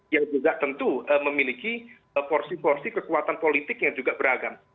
yang juga tentu memiliki porsi porsi kekuatan politik yang juga beragam